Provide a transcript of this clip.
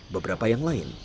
beberapa yang lain